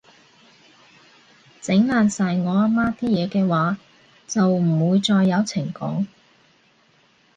整爛晒我阿媽啲嘢嘅話，就唔會再有情講